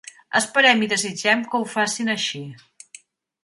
Esperem i desitgem que ho facin així.